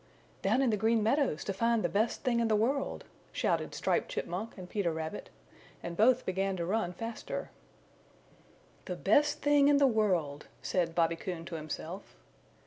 "Down in the Green Meadows to find the Best Thing in the World!" shouted Striped Chipmunk and Peter Rabbit, and both began to run faster. "The Best Thing in the World," said Bobby Coon to himself.